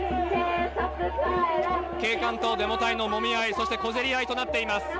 警官とデモ隊のもみ合い、そして、小競り合いとなっています。